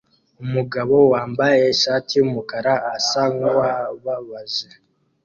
Umugabo wambaye ishati yumukara asa nkuwababaje